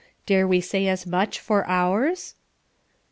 Dare we say as much for ours?